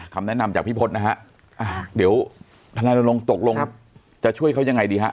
คำแนะนำจากพี่พศนะฮะเดี๋ยวธนายรณรงค์ตกลงจะช่วยเขายังไงดีฮะ